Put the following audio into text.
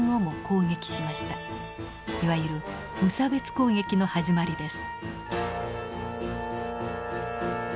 いわゆる無差別攻撃の始まりです。